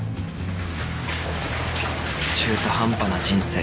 ［中途半端な人生］